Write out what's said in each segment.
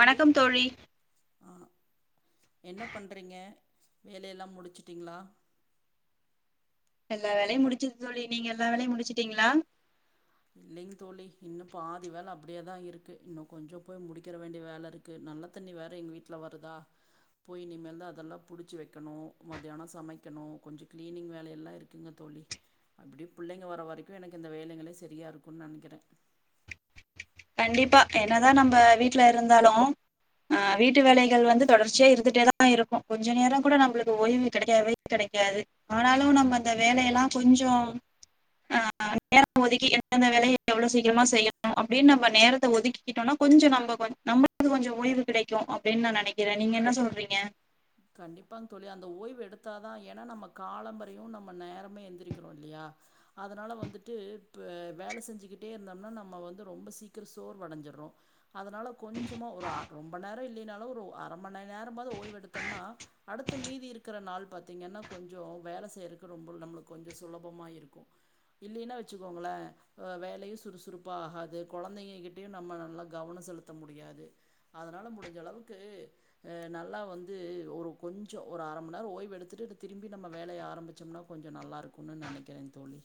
வணக்கம் தோழி ஆ என்ன பண்றீங்க வேலையெல்லாம் முடிச்சிட்டிங்களா எல்லா வேலையும் முடிஞ்சி தோழி நீங்க எல்லா வேலையும் முடிச்சிட்டீங்ளா ல்லிங் தோழி இன்னும் பாதி வேல அப்டியேதா இருக்கு இன்னும் கொஞ்ச போய் முடிக்க வேண்டிய வேல இருக்கு நல்ல தண்ணி வேற எங்க வீட்ல வருதா போய் இனிமேல் தான் அதெல்லாம் புடிச்சு வைக்கணும் மத்தியானம் சமைக்கணு கொஞ்ச கிளீனிங் வேலயல்லாம் இருக்குங்க தோழி அப்டியே புள்ளைங்க வர வரைக்கும் எனக்கு இந்த வேலங்களே ச சரியா இருக்குன்னு நெனைக்கிறே கண்டிப்பா என்னதா நம்ப வீட்டுல ருந்தாலும் அ வீட்டு வேலைகள் வந்து தொடர்ச்சியா இருந்துட்டேதா இருக்கும் கொஞ்ச நேரம் கூட நம்பளுக்கு ஓய்வு கெடைக்கவே கெடைக்காது ஆனாலும் நம்ம அந்த வேலை எல்லாம் கொஞ்சம் ஆஹ் நேரம் ஒதுக்கி எந்தந்த வேலைய் எவ்ளோ சீக்கிரமா செய்யணும் அப் அப்டின் நம்ம நேரத்த ஒதுக்கிக்கிட்டோனா கொஞ்ச நம்பகொஞ் நம்மளுக்கு கொஞ்ச ஓய்வு கிடைக்கு அப்படின்னு நான் நினைக்கிறே நீங்க என்ன சொல்றீங்க கண்டிப்பாங் தோழி அந்த ஓய்வு எடுத்தாதா ஏன்னா நம்ம காலம்பரயும் நம்ம நேரமே எழுந்திரிக்கிறோ இல்லையா அதனால வந்துட்டு ப்ப வேல செஞ்சுக்கிட்டே இருந்தம்னா நம்ம வந்து ரொம்ப சீக்கிர சோர்வடஞ்சிட்றோ அதனால கொஞ்சமா ஒரு ஆ ரொம்ப நேர இல் னாலும் ஒரு அர மண் நேரமாது ஓய்வெடுத் த்தம்னா அடுத்து மீதி இருக்கிற நாள் பாத்தீங்கன்னா கொஞ்சொ வேல செய்ருக்கு ரொம்ப நம்ளுக் கொஞ்ச சுலபமா இருக்கு இல்லினா வச்சுக்கோங்களே வேலயும் சுறுசுறுப்பா ஆகாது குழந்தைங்க கிட்டு நம்ம நல்லா கவன செலுத்த முடியாது அதனால முடிஞ்சளவுக்கு நல்லா வந் உம் ம் ஒரு கொஞ்சொ ஒரு அர மண்நேரம் ஓய்வு எடுத்துட்டு திரும்பி நம்ம வேலய ஆரம்பிச்சொம்னா கொஞ்ச நல்லா இருக்குனு நெனைக்கிறே தோழி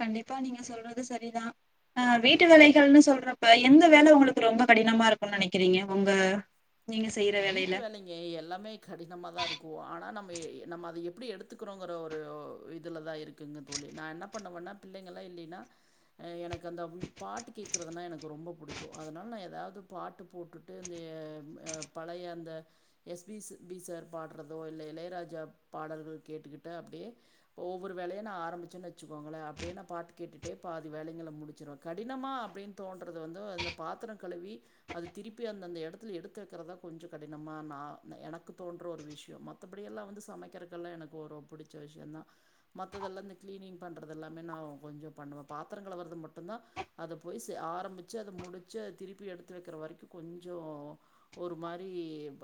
கண்டிப்பா நீங்க சொல்றது சரிதா அஹ் வீட்டு வேலைகள்ன்னு சொல்றப்ப எந்த வேல உங்களுக்கு ரொம்ப கடினமாருக்கும்னு நெனைக்கிறீங்க உங்க நீங்க செய்யற வீட்டு வேலையில வேலைங்க எல்லாமே கடினமாதாருக்கும் ஆனா நம் ய் நம்ம அத எப்டி எடுத்துக்கிறோங்கிற ஒரு இதுலதா இருக்குங்க தோழி நா என்ன பண்ணுவன்னா பிள்ளைங்கள்லா இல்லினா எனக்கு அந்த பாட்டு கேட்கறதுன்னா எனக்கு ரொம்ப புடிக்கும் அதனால நா ஏதாவது பாட்டு போட்டுட்டு அந்த ஆ பலய அந்த எஸ் பி பி சார் பாட்றதோ இல்ல இளையராஜா பாடல்கள் கேட்டுக்கிட்டு அப்டே ஒவ்வொரு வேலய நா ஆரம்பிச்சேன் வச்சுக்கோங்களே அப்டே நான் பாட்டு கேட்டுட்டே பாதி வேலங்கள முடிச்சிர்ரொ கடினமா அப்படின் தோன்றது வந்து அந்த பாத்திரம் கழுவி அது திருப்பி அந் அந்த எடத்துல எடுத்து வக்கிறதா கொஞ்ச கடினமா நா எனக்கு தோன்ற ஒரு விஷயம் மத்தபடி எல்லா வந்து சமைக்கிறதுக்தெல்லா எனக் ஒரு புடிச்ச விஷய தா மத்ததெல்லா இந்த கிளீனிங் பண்றது எல்லாமே நான் கொஞ்ச பண்ணுவ பாத்திரங்கள வரது மட்டுந்தா அத பொய்சு ஆரம்பிச்சு அத முடிச்சு திருப்பி எடுத்து வைக்கிற வரிக்கு கொஞ்சோ ஒரு மாரி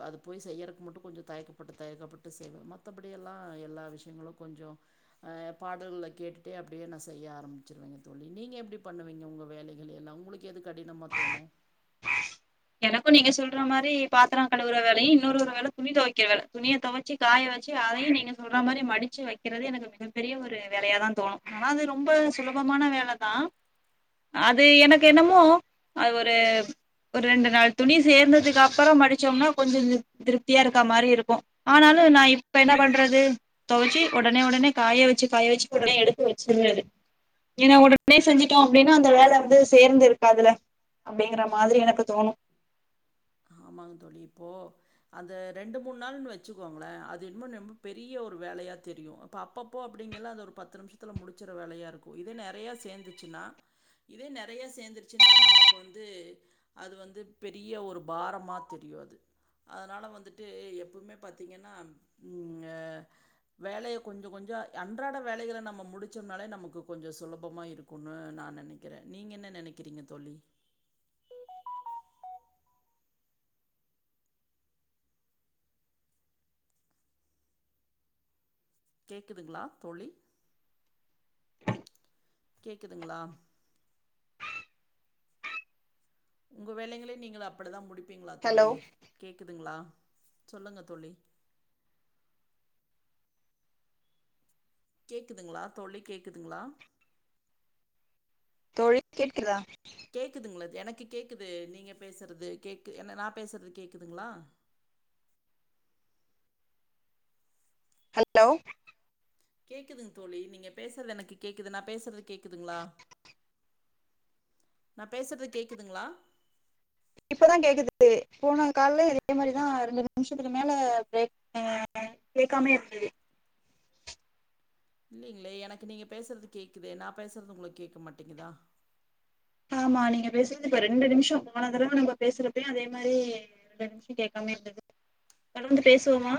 அது போய் செய்யறக்கு மட்டும் கொஞ்ச தயக்கப்பட்டு தயக்கப்பட்டு செய்வே மத்தபடியெல்லா எல்லா விஷயங்களும் கொஞ்சம் ஆஹ் பாடல கேட்டுட்டே அப்படியே நா செய்ய ஆரம்பிச்சிருவேங்க தோழி நீங்க எப்படி பண்ணுவீங்க உங்க வேலைகள் எல்லாம் உங்களுக்கு எது கடினமா தோணும் எனக்கு நீங்க சொல்ற மாரி பாத்திர கழுவுற வேலய் இன்னொரு ஒரு வேல துணி துவக்கிற வேல துணிய தொவைச்சு காய வச்சு அதையு நீங்க சொல்ற மாரி மடிச்சு வைக்கிறது எனக்கு மிகப்பெரிய ஒரு வேலயாதான் தோணும் [unintelligible] ரொம்ப சுலபமான வேலதா அது எனக்கு என்னமோ அது ஒரு ஒரு ரெண்டு நாள் துணி சேர்ந்ததுக் அப்பறோ மடிச்சோம்னா கொஞ்சோ த் திருப்தியா இருக்கா மாரி இருக்கும் ஆனாலு நா இப்ப என்ன பண்றது தொவச்சி உடனே உடனே காய வச்சு காய வச்சு உடனே எடுத்து வெச்சிட்றது ஏன்ன உடனே செஞ்சட்டோம் அப்டின்னா அந்த வேல வந்து சேர்ந்து இருக்காதுல அப்டிங்கிற மாதிரி எனக் தோனு ஆமாங் தோலி இப்போ அந்த ரெண்டு மூண் நாள்னு வெச்சுக்கோங்களே அது இன்னோ ரொம்ப பெரிய ஒரு வேலையா தெரியு இப்போ அப்பப்போ அப்பிடிங்கெல்லா அந்த ஒரு பத்து நிம்ஷத்தில முடிச்சிற்ற வேலையாருக்கூ இதே நெறையா சேந்துச்சின்னா இதே நெறையா சேந்துர்ச்சின்னா நமக்கு வந்து அது வந்து பெரிய ஒரு பாரமா தெரியோ அது அனால வந்துட்டு எப்வுமே பத்தீங்கன்னா உம் ஆ வேலைய கொஞ்ச கொஞ்ச அன்றாட வேலைகள நம்ம முடிச்சோம்னாலே நமக்கு கொஞ்ச சுலபமா இருக்குன்னு நா நெனைக்கிறே நீங்க என்ன நெனைக்கிறீங்க தோலி கேக்குதுங்ளா தோளி கேக்குதுங்ளா உங்க வேலைங்கள நீங்க அப்படி தா முடிப் ப்பீங்ளா ஹலோ தோலி கேக்குதுங்ளா சொல்லுங்க தோழலி கேக்குதுங்ளா தோலி கேக்குதுங்ளா தோழி கேட்க்குதா கேக்குதுங்ளா அ எனக்கு கேக்குது நீங்க பேசுறது கேக்கு என்ன நா பேசுறது கேக்குதுங்ளா ஹல்லோ கேக்குதுங்தோழி நீங்க பேசுற்து எனக்கு கேக்குது நா பேசுற்து கேக்குதுங்ளா நா பேசுற்து கேக்குதுங்ளா இப்போதா கேக்குது போன கால்லயு இதே மாரிதா ரெண்டு நிம்ஷத்துக்கு மேல [unintelligible] கேட்காமே இருக்கு இல்லிங்ளே எனக்கு நீங்க பேசுற்து கேக்குதே நா பேசுற்து உங்ளுக் கேட்க மாட்டேங்குதா ஆமா நீங்க பேசுற்து இப்ப ரெண்டு நிம்ஷோ போன தடவ நம்ப பேசுறப்பேயே அதே மாரி ரெண்டு நிம்ஷோ கேட்காமேயே இந்தது தொடந்து பேசுவோமா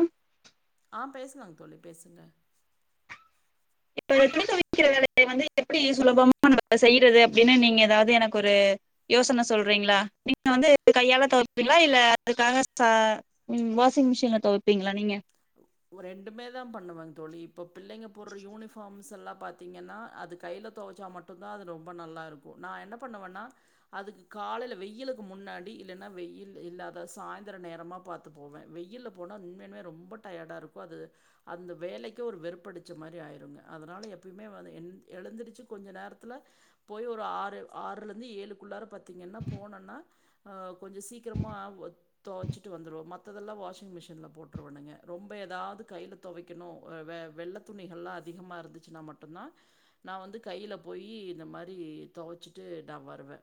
ஆஹ் பேசுலாங் தோலி பேசுங்க இப்ப துணிதொவக்கிற வேலைய வந்து எப்டி சுலபமா நம்ப செய்றது அப்டின்னு நீங்க எதாவது எனக்கொரு யோசன சொல்றீங்ளா நீங்க வந்து கையால தொவப்பீங்களா இல்ல அதுக்காக ச ம் வாஷிங் மிஷின்ல தொவப்பீங்ளா நீங்க ரெண்டுமே தா பண்ணுவாங் தோழி இப்ப பிள்ளைங் போடுற யூனிஃபார்ம்ஸ் எல்லா பாத்தீங்கேன்னா அது கைல தொவச்சா மட்டு தா அது ரொம்ப நல்லாருக்கூ நா என்ன பண்ணுவன்னா அதுக்கு காலைல வெயிலுக்கு முன்னாடி இல்லைன்னா வெயில் இல்லாத சாய்ந்தர நேரமா பாத்து போவே வெயில்ல போனா உண்மயன்மே ரொம்ப ட டயர்டாயிருக்கூ அது அந்த வேலைக்கு ஒரு வெறுப்படிச்ச மாரி ஆயிருங்க அதனால எப்யுமே வந் எந் எழுந்திரிச்சி கொஞ்ச நேரத்தில போய் ஒரு ஆறு ஆறுலருந்து ஏழுக்குள்ளார பாத்திங்கன்னா போனோன்னா கொஞ்சோ சீக்கிரமா தொவச்சிட்டு வந்துருவோ மத்ததெல்லா வாஷிங் மிஷின்ல போட்டருவணுங்க ரொம்ப எதாவது கையில தொவைக்கணு வெ வெள்ள துணிகல்லா அதிகமா இருந்துச்சுனா மட்டுந்தா நா வந்து கையில போயி இந்த மாரி தொவச்சிட்டு தா வருவே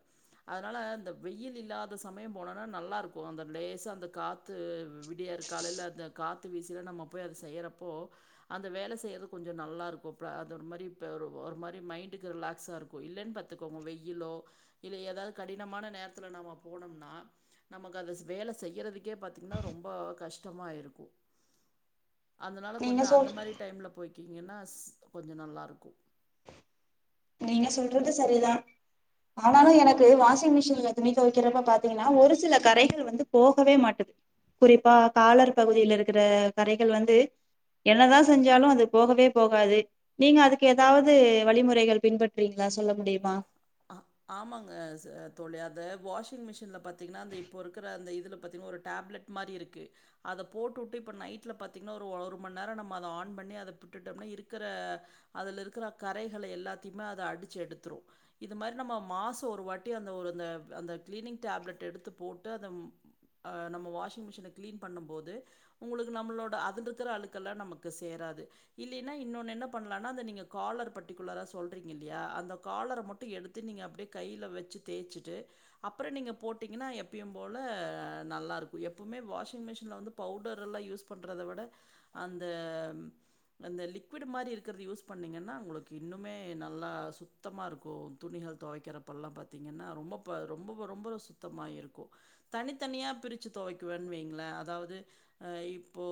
அனால இந்த வெயில் இல்லாத சமயோ போனோன்னா நல்லாருக்கூ அந்த லேசா அந்த காத்து விடியற் காலைல அந்த காத்து வீசயில நம்ம போய் அத செய்றப்போ அந்த வேல செய்றது கொஞ்சோ நல்லாருக்கு ப அது ஒரு மாரி இப்போ ஒரு ஒரு மாரி மைண்டுக்கு ரிலாக்ஸாகருக்கு இல்லேன்னு பாத்துக்கோங்க வெயிலோ இல்லை ஏதாவது கடினமான நேரத்துல நம்ம போனோம்னா நமக்கு அத செ வேல செய்யறதுக்கே பாத்தீங்ன்னா ரொம்ப கஷ்டமா இருக்கு அதனால நீங்க கொஞ்சோ அந்த சொல் மாதிரி டைம்ல போய் கீங்கன்னா கொஞ்சோ நல்லா இருக்கு நீங்க சொல்றது சரிதா ஆனாலு எனக்கு வாஷிங் மிஷின்ல துணி தொவைக்கிறப்ப பாத்தீங்கன்னா ஒரு சில கரைகள் வந்து போகவே மாட்டுது குறிப்பா காலர் பகுதியில இருக்குற கரைகள் வந்து என்னதா செஞ்சாலும் அது போகவே போகாது நீங்க அதுக்கு ஏதாவது வழிமுறைகள் பின்பற்றுறீங்களா சொல்ல முடியுமா ஆ ஆமாங்க தோழி அது வாஷிங் மிஷின்ல பத் பாத்தீங்ன்னா இப்போ இருக்கற அந்த இது இதுல பாத்தீங்னா ஒரு டேப்லட் மாரி இருக்கு அத போட்டுட்டு நைட்ல பாத்தீங்ன்னா ஒரு ஒரு மணி நேரோ நம்ம ஆன் பண்ணி அத விட்டுட்டோம்னா இருக்கற அதுல இருக்கற கரைகள் எல்லாத்தையுமு அடிச்சு எடுத்துடு இது மாரி நம்ம மாசோ ஒரு வாட்டி அந்த அந்த கிளீனிங் டேப்லெட் எடுத்து போட்டு அத அ நம்ம வாஷிங் மிஷின கிளின் பண்ணும் போது உங்களுக்கு நம்மளோட அதில் இருக்கற அழுக்கெல்லா நமக்கு சேராது இல்லின்னா இன்னொன்னு என்ன பண்ணலான்னா அந்த நீங்க காலர் பர்டிகுலரா சொல்றீங்க இல்லையா அந்த காலர மட்டு எடுத் த்து நீங்க அப்டியே கையில வெச்சு தேய்ச்சிட்டு அப்புற நீங்கள் போட்டிங்கன்னா எப்பயு போல நல்லாருக்கு எப்பவுமே வாஷிங் மிஷினில் வந்து பவுடர்ல்லா யூஸ் பண்ணுறத விட அந்த அந்த லிக்விட் மாரி இருக்கறது யூஸ் பண்ணிங்கன்னா உங்களுக்கு இன்னுமே நல்லா சுத்தமாருக்கு துணிகள் தொவைக்கிறப்பெல்லா பாத்தீங்கன்னா ரொம்ப ரொம்ப ரொம்ப சுத்தமாக இருக்கு தனித்தனியாக பிரிச்சு தொவைக்குவேன்னு வைங்களே அதாவது இப்போ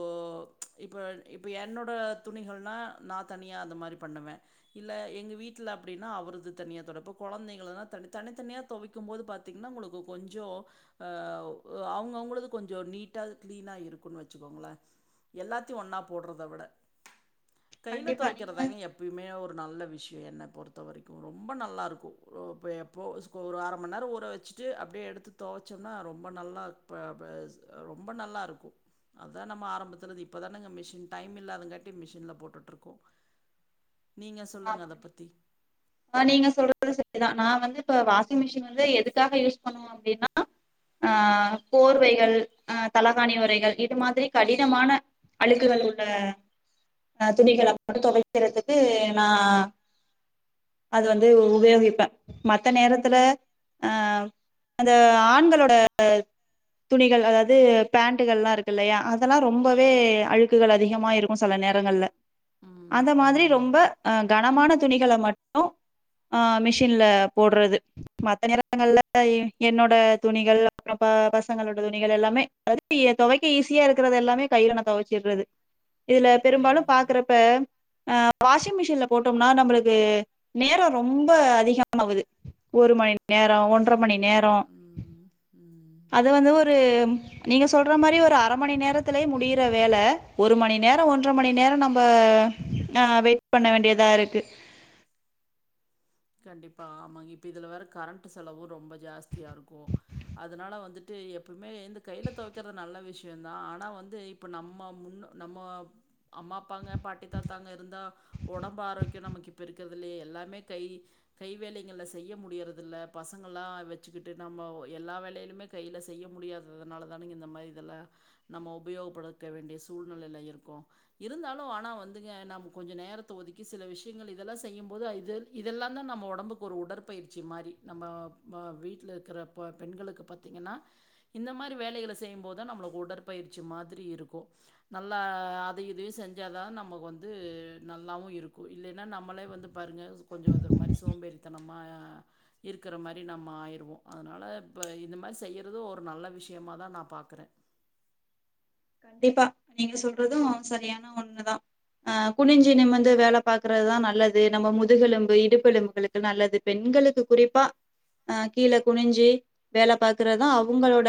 இப்போ இப்போ என்னோட துணிகள்னா நா தனியா அந்த மாரி பண்ணுவே இல்ல எங்க வீட்ல அப்டின்னா அவரது தனியா தொ இப்போ கொழந்தைங்கல்ல தனி தனித்தனியா தொவைக்கும் போது பாத்தீங்ன்னா உங்களுக்கு கொஞ்சோ அஹ் அ அ அவங்கவுங்களுறது கொஞ்சே நீட்டா கிளீனா இருக்குன்னு வெச்சுக்கோங்களே எல்லாத்தையு ஒன்னா போடுறத விட கையில கண்டிப்பா நீங்க தொவைக்கறதுதாங்க எப்பயுமே ஒர் நல்ல விஷயொ என்ன பொறுத்த வரைக்கு ரொம்ப நல்லா இருக்கு கள் கோ எப்போ [unintelligible] ஒரு அரை மணி நேரோ ஊற வெச்சுட்டு அப்டியே எடுத்து தொவச்சோம்னா ரொம்ப நல்லா ப்ப ப ரொம்ப நல்லாருக்கு அதுதா நம்ம ஆரம்பத்துலல்லா இப்பதானங்க மிஷின் டைம் இல்லாதங்காட்டி மிஷின்ல போட்டுட்டுருக்கோ அ ஆ நீங்க சொல்றது இதா நா வந்து இப்ப வாஷிங் மிஷின் வந்து எதுக்காக யூஸ் பண்ணுவே அப்படின்னா ஆஹ் போர்வைகள் அ தலகாணி உரைகள் இது மாதிரி கடினமான அழுக்குகள் உள்ள துணிகளை மட்டு துவைக்கிறதுக்கு நா அது வந்து உபயோகிப்பே மற்ற நேரத்துல ஆஹ் அந்த ஆண்களோட துணிகள் அதாவது பேண்ட்டுகள்லா இருக்குல்லையா அதல்லா ரொம்பவே அழுக்குகள் அதிகமா இருக்கும் சில நேரங்கள்ல ம், அந்த மாதிரி ம், ரொம்ப ஆ கனமான துணிகள மட்டு ஆ மிஷின்ல போட்றது மத்த நேரங்கள்ல என்னோட துணிகள் அப்றொ ப பசங்களோட துணிகள் எல்லாமே [inaudible] தொவைக்க ஈஸியா இருக்குறத எல்லாமே கையில நா தொவச்சிர்றது இதுல பெரும்பாலு ம். பாக்குறப்ப ஆ வாஷிங் மிஷி ஷின்ல போட்டோம்னா நம்மளுக்கு நேரோ ரொம்ப அதிகமாகுது ஒரு மணி நேர் நேரொ ஒன்ற மணி நேரொ கண்டிப்பாங்க. ம், ம். அத வந்து ஒரு நீங்க சொல்ற மாதிரி ஒரு அரை மணி நேரத்துலே முடியிற வேல ஒரு மணி நேரோ ஒன்றரை மணி நேரோ நம்ம அ வெ பண்ண வேண்டியதா இருக்கு கண்டிப்பா ஆமா இப்ப இதுல வேற கரண்டு செலவு ரொம்ப ஜாஸ்தியாருக்கு அதுனால வந்துட்டு எப்பமே இந்த கைல தொவக்கிறது நல்ல விஷ்யந்தா ஆனா வந்து இப்போ நம்ம முன்ன நம்மோ அம்மா அப்பாங்க பாட்டி தாத்தாங்க இருந்தா ஒடம்பு ஆரோக்கியொ நமக்கு இப்பொ இருக்கறதுல்லையே எல்லார்மே கை கை வேலைகள்ல செய்ய முடியறது இல்ல பசங்கல்லா வெச்சுக்கிட்டு நம்ம எல்லா வேலையிலுமே கையில செய்ய முடியாததுனால தானங்க இந்த மாதிரி இதுல நம்ம உபயோகப்படுத்த வேண்டிய சூழ்நெலையில இருக்கோ இருந்தாலு ஆனா வந்துங்க நம்ம கொஞ்சோ நேரத்த ஒதுக்கி சில விஷயங்கள் இதெல்லா செய்யும் போது இது இதெல்லாந்தா நம்ம ஒடம்புக்கு ஒரு உடற்பயிற்சி மாரி நம்ம ஆ வீட்ல இருக்குற பொ பெண்களுக்கு பாத்திங்கன்னா இந்த மாரி வேலைகள செய்யும்போதா நம்மளு உடற்பயிற்சி மாதிரி இருக்கு நல்லா அதையு இதையு செஞ்சாதா நமக்கு வந்து நல்லாவு இருக்கு இல்லேன்னா நம்மளே வந்து பாருங்க கொஞ்சோ அது ஒரு மாரி சோம்பேறித்தனமா இருக்கிற மாரி நம ஆயிடுவோ அதனால இப்ப இந்த மாரி செய்யறத ஒரு நல்ல விஷயமா தா நா பாக்கறே ப்பா நீங்க சொல்றதும் சரியான ஒண்ணுதா அ குனிஞ்சு நிமுந்து வேல பாக்குறதுதா நல்லது நம்ம முதுகெலும்பு இடுப்பெலும்புகளுக்கு நல்லது பெண்களுக்கு குறிப்பா அ கீழே குனிஞ்சு வேல பாக்குறதா அவுங்களோட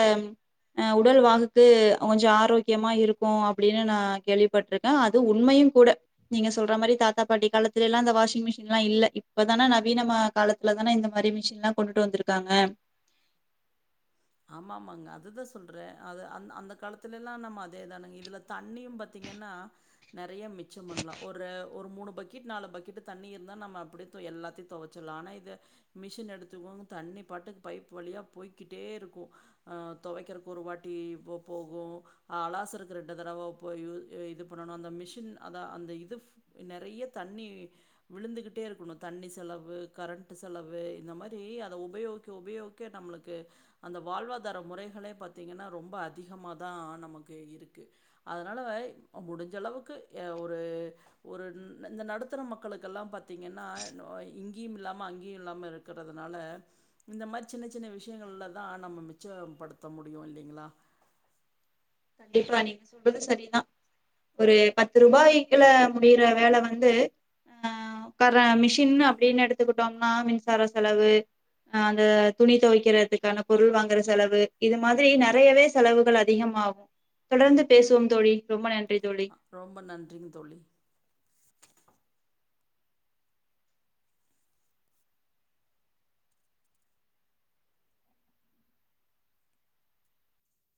அ உடல் வாகுக்கு கொஞ்சோ ஆரோக் த்தியமா இருக்கூ அப்டினு நா கேள்விப்பட்ருக்கே அது உண்மையும் கூட நீங்க சொல்ற மாரி தாத்தா பாட்டி காலத்துலெல்லா இந்த வாஷிங் மிஷின்லா இல்ல இப்பதான நவீனமா காலத்துலதான இந்த மாரி மிஷின்ல்லா கொண்டுட்டு வந்துருக்காங்க ஆமா ஆமாங்க அததா சொல்றே அது அந் அந்த காலத்துலெல்லா நம்ம அதே தானங்க இதுல தண்ணியு பாத்தீங்கன்னா நெறைய மிச்ச பண்ணலாம் ஒரு ஒரு மூணு பக்கெட் நாலு பக்கெட் தண்ணி இருந்தா நம்ம அப்டிய எல்லாத்தையு தொவச்சுடலா ஆனா இத மிஷின் எடுத்துக்கோங்க தண்ணி பாட்டுக் பைப் வழியா போய்கிட்டேருக்கூ ஆ துவைக்கிறக்கு ஒருவாட்டி போகு அலாசருக்கு ரெண்டு தடவ போயிடு இது பண்ணணு அந்த மிஷின் அத அந்த இது நெறைய தண்ணி விழுந்துகிட்டே இருக்கணு தண்ணி செலவு கரண்ட்டு செலவு இந்த மாரி அத உபயோகிக்க உபயோகிக்க நம்மளுக்கு அந்த வாழ்வாதார முறைகளே பாத்தீங்கன்னா ரொம்ப அதிகமா தா நமக்கு இருக்கு அதுனால வ முடிஞ்ச அளவுக்கு ஒரு ஒரு இந்த நடுத்தர மக்களுக்கெல்லா பாத்தீங்கனனா இங்கேயும் இல்லாம அங்கேயு இல்லாம இருக்குறதுனால இந்த மாரி சின்ன சின்ன விஷயங்கள்ல ஆன நம்ம மிச்சப்படுத்த முடியு இல்லைங்களா கண்டிப்பா நீங்க சொல்றது சரிதான் ஒரு பத்து ரூபாய்க்கள முடியிற வேல வந்து ஆ கர மிஷின் அப்டின்னு எடுத்துக்கிட்டோம்னா மின்சார செலவு அந்த துணி துவக்கிறதுக்கான பொருள் வாங்குற செலவு இது மாரி நிறையவே செலவுகள் அதிகமாகு தொடர்ந்து பேசுவோம் தோழி ரொம்ப நன் ரொம்ப நன்றிங்க தோழி